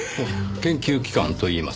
研究機関といいますと？